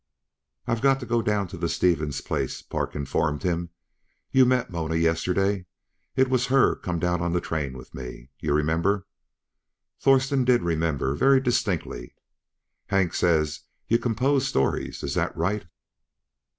"I've got to go down to the Stevens place," Park informed him. "You met Mona yesterday it was her come down on the train with me, yuh remember." Thurston did remember very distinctly. "Hank says yuh compose stories. Is that right?"